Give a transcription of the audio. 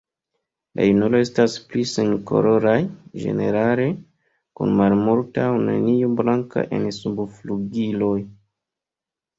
La junulo estas pli senkoloraj ĝenerale, kun malmulta aŭ neniu blanka en subflugiloj.